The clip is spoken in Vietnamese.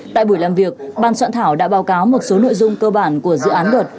tại buổi làm việc ban soạn thảo đã báo cáo một số nội dung cơ bản của dự án luật